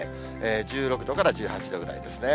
１６度から１８度ぐらいですね。